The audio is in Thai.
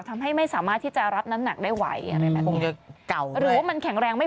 ทำให้ไม่สามารถที่จะรับน้ำหนักได้ไหวอะไรแบบนี้